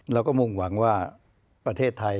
มุ่งหวังว่าประเทศไทย